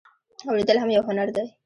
اوریدل هم یو هنر دی